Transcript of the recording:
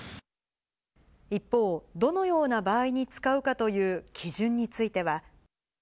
一方、どのような場合に使うかという基準については。